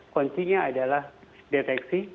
koncinya adalah deteksi